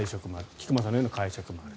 菊間さんのような解釈もある。